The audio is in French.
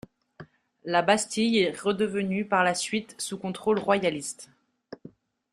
La Bastille est redevenue par la suite sous contrôle royaliste.